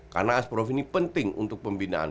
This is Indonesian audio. karena asprof ini penting untuk pembinaan